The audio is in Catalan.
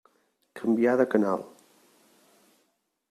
Canvià de canal.